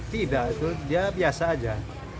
tidak dia biasa aja